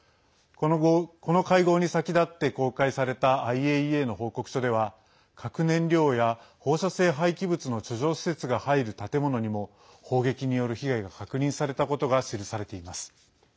この会合に先立って公開されたＩＡＥＡの報告書では核燃料や放射性廃棄物の貯蔵施設が入る建物にも砲撃による被害が確認されたことが記されています。